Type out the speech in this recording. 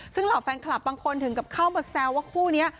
ซึ่งเหล่าแฟนคลับบางคนถึงกับเข้ามาแซวว่าคู่นี้